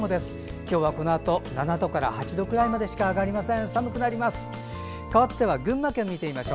今日はこのあと７度から８度くらいまでしか上がりません。